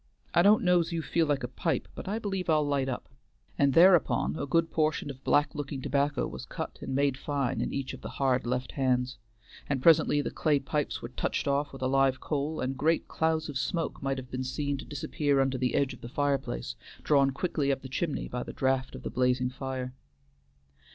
I don't know's you feel like a pipe, but I believe I'll light up," and thereupon a good portion of black looking tobacco was cut and made fine in each of the hard left hands, and presently the clay pipes were touched off with a live coal, and great clouds of smoke might have been seen to disappear under the edge of the fire place, drawn quickly up the chimney by the draft of the blazing fire.